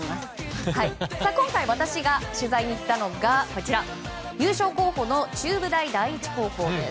今回、私が取材に行ったのが優勝候補の中部大第一高校です。